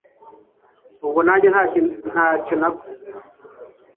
ubwo nanjye ntakindi nakoze nahise mpaguruka njye kwicara kuntebe imwe nawe